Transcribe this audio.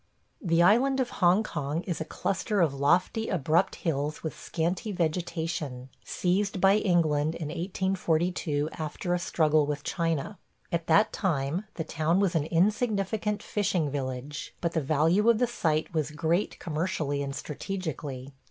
The island of Hong Kong is a cluster of lofty abrupt hills with scanty vegetation, seized by England in 1842 after a struggle with China. At that time the town was an insignificant fishing village, but the value of the site was great commercially and strategically.